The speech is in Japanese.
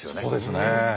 そうですね。